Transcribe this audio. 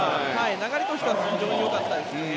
流れとしては非常によかったですね。